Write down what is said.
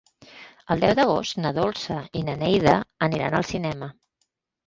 El deu d'agost na Dolça i na Neida aniran al cinema.